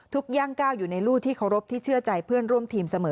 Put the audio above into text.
ย่างก้าวอยู่ในรูที่เคารพที่เชื่อใจเพื่อนร่วมทีมเสมอ